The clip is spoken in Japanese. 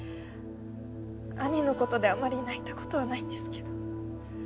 兄のことであんまり泣いたことはないんですけど